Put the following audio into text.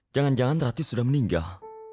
jangan jangan rati sudah meninggal